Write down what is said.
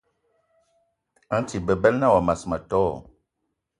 A nti bebela na wa mas ma tó?